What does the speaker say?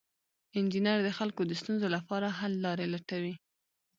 انجینر د خلکو د ستونزو لپاره حل لارې لټوي.